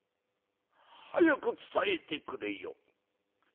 早く伝えてくれよ」。